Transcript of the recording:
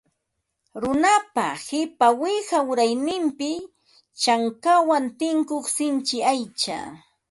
Runapa qipa wiqaw urayninpi chankawan tinkuq sinchi aycha